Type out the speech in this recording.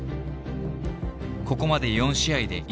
ここまで４試合で１失点。